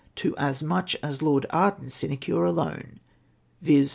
to as much as Lord Arden's sinecure alone, viz.